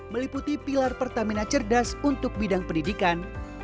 meliputi pilar pertamina cerdas untuk bidang pendidikan